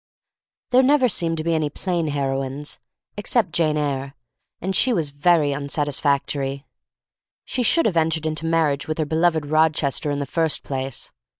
There never seem to be any plain heroines, except Jane Eyre, and she was very unsatisfactory. She should have entered into marriage with her beloved Rochester in the first place.